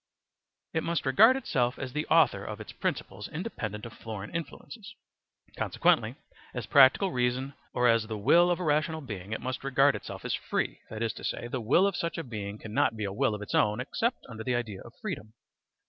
It must regard itself as the author of its principles independent of foreign influences. Consequently as practical reason or as the will of a rational being it must regard itself as free, that is to say, the will of such a being cannot be a will of its own except under the idea of freedom.